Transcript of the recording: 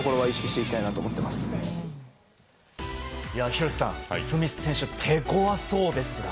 廣瀬さん、スミス選手手ごわそうですが。